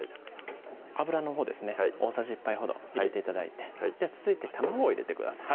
油のほうですね大さじ１杯ほど入れて頂いて続いて卵を入れてください